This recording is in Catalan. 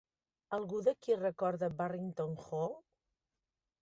Algú d'aquí recorda Barrington Hall?